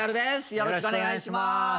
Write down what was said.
よろしくお願いします。